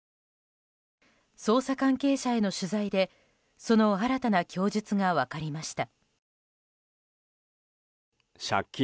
捜査関係者への取材でその新たな供述が分かりました。